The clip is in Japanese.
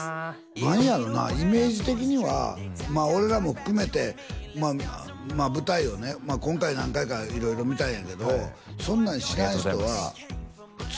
何やろなイメージ的にはまあ俺らも含めて舞台をね今回何回か色々見たんやけどそんなん知らん人はありがとうございます